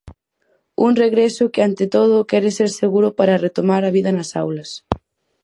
Un regreso que ante todo quere ser seguro para retomar a vida nas aulas.